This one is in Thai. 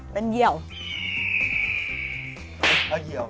เป็นเยี่ยว